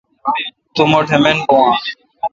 تو مٹھ مین بھو اؘ۔